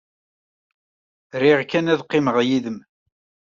Riɣ kan ad qqimeɣ yid-m.